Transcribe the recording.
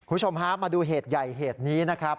คุณผู้ชมฮะมาดูเหตุใหญ่เหตุนี้นะครับ